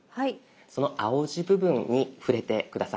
その青字部分に触れて下さい。